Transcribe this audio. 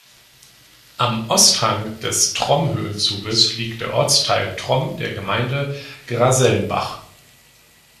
Am Osthang des Tromm-Höhenzuges liegt der Ortsteil Tromm der Gemeinde Grasellenbach.